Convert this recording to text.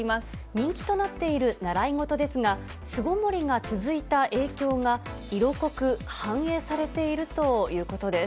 人気となっている習い事ですが、巣ごもりが続いた影響が、色濃く反映されているということです。